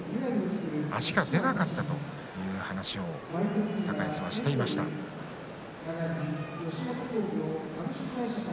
足が出なかったという話をしていました高安です。